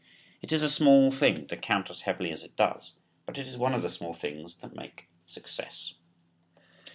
It is a small thing to count as heavily as it does, but it is one of the small things that make success.